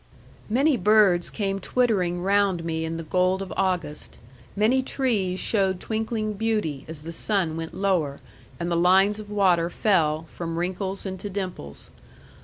Many birds came twittering round me in the gold of August; many trees showed twinkling beauty, as the sun went lower; and the lines of water fell, from wrinkles into dimples.